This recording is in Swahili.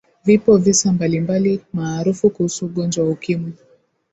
vipo visa mbalimbali maarufu kuhusu ugonjwa wa ukimwi